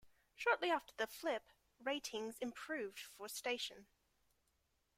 Shortly after the flip, ratings improved for station.